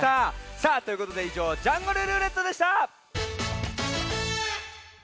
さあということでいじょう「ジャングルるーれっと」でした！